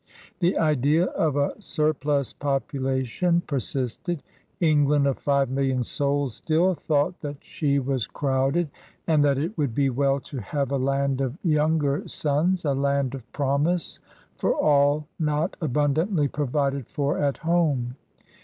The idea of a surplus popula tion persisted; England of five million souls still thought that she was crowded and that it would be well to have a land of younger sons, a land of promise for all not abundantly provided for at home.